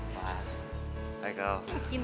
pas hai kal